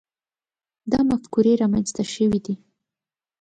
دا مفکورې رامنځته شوي دي.